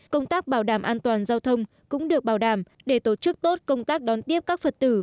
công tác bảo đảm an toàn giao thông cũng được bảo đảm để tổ chức tốt công tác đón tiếp các phật tử